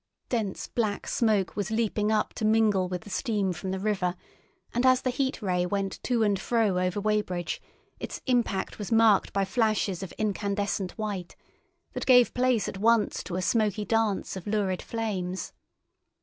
Dense black smoke was leaping up to mingle with the steam from the river, and as the Heat Ray went to and fro over Weybridge its impact was marked by flashes of incandescent white, that gave place at once to a smoky dance of lurid flames.